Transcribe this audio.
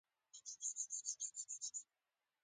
په زیږون کې د میندو د مړینې د مخنیوي پروګرامونه.